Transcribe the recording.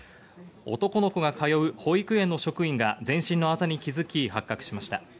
男の子が通う保育園の職員が全身のアザに気づき、発覚しました。